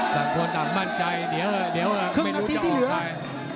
ต่างคนต่างมั่นใจเดี๋ยวไม่รู้จะออกใคร